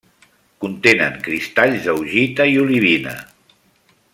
Contenen cristalls d'augita i olivina.